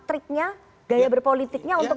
triknya gaya berpolitiknya untuk